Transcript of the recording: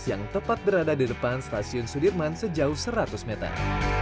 yang tepat berada di depan stasiun sudirman sejauh seratus meter